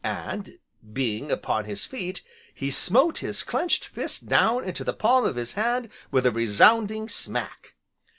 And, being upon his feet, he smote his clenched fist down into the palm of his hand with a resounding smack.